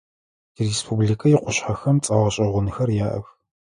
Тиреспубликэ икъушъхьэхэм цӏэ гъэшӏэгъонхэр яӏэх.